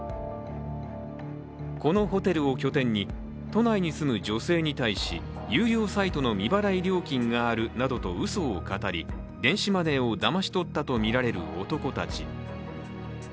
このホテルを拠点に都内に住む女性に対し有料サイトの未払い料金があるなどとうそをかたり電子マネーをだまし取ったとみられる男たち。